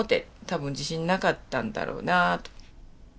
たぶん自信なかったんだろうなあと。